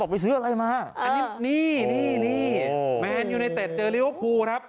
บอกไปซื้ออะไรมาอ่านี่นี่นี่โอ้โหแมนยูไนเต็ดเจอริวภูครับ